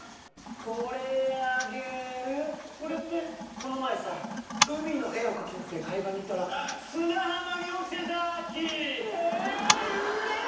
この前さ海の絵を描きたくて海岸に行ったら砂浜に落ちてた木！えうれしい！